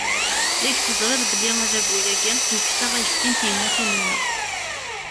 Yak tezriḍ belli adabu-agi, yekkes-aɣ ayefki n tyemmatin-nneɣ.